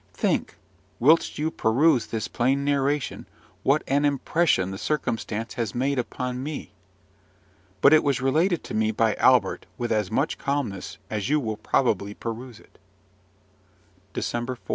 Think, whilst you peruse this plain narration, what an impression the circumstance has made upon me! But it was related to me by Albert with as much calmness as you will probably peruse it. DECEMBER 4.